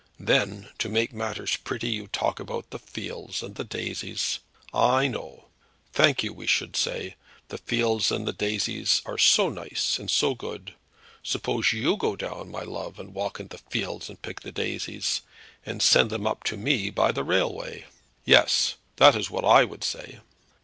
Then, to make matters pretty, you talk about de fields and de daisies. I know. 'Thank you,' I should say. 'De fields and de daisies are so nice and so good! Suppose you go down, my love, and walk in de fields, and pick de daisies, and send them up to me by de railway!' Yes, that is what I would say."